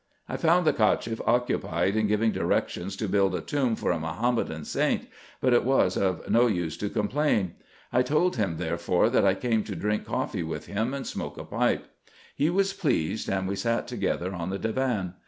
I found the Cacheff occupied in giving directions to build a tomb for a Mahometan saint ; but it was of no use to complain. I told him, therefore, that I came to drink coffee with him, and smoke a pipe. He was pleased, and we sat together on the divan.